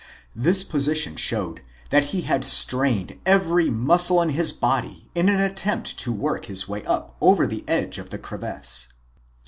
This position showed that he had strained every muscle in his body in an attempt to work his way up over the edge of the crevice.